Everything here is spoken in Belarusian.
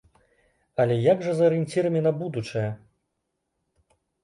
Але як жа з арыенцірамі на будучае.